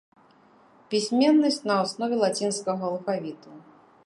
Пісьменнасць на аснове лацінскага алфавіту.